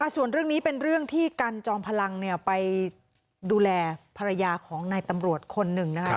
ส่วนเรื่องนี้เป็นเรื่องที่กันจอมพลังไปดูแลภรรยาของนายตำรวจคนหนึ่งนะครับ